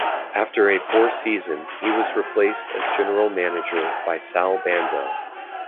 After a poor season, he was replaced as general manager by Sal Bando.